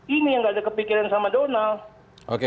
ini yang gak ada kepikiran sama donald